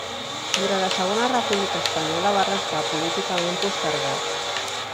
Durant la Segona República Espanyola va restar políticament postergat.